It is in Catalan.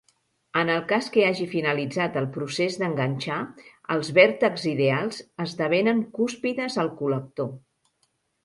En el cas que hagi finalitzat el procés d'enganxar, els vèrtexs ideals esdevenen cúspides al col·lector.